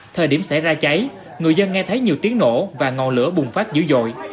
thời điểm xảy ra cháy người dân nghe thấy nhiều tiếng nổ và ngọn lửa bùng phát dữ dội